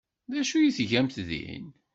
D acu ay tgamt din?